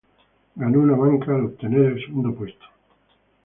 Ganó una banca al obtener el segundo puesto.